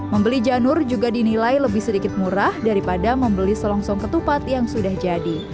membeli janur juga dinilai lebih sedikit murah daripada membeli selongsong ketupat yang sudah jadi